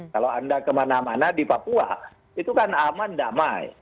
kalau anda kemana mana di papua itu kan aman damai